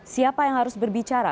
siapa yang harus berbicara